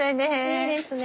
いいですね。